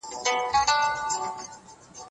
د ازموینو په پایلو کي تل روڼتیا شتون نه درلود.